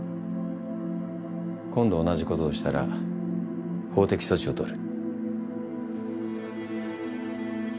今度同じことをしたら法的措置を取る。